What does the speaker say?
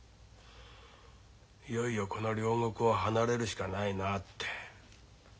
いよいよこの両国を離れるしかないなって。